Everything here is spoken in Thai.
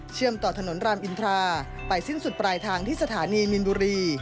ต่อถนนรามอินทราไปสิ้นสุดปลายทางที่สถานีมินบุรี